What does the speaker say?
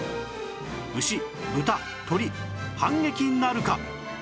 牛豚鶏反撃なるか？